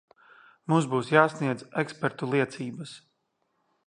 Mums būs jāsniedz ekspertu liecības.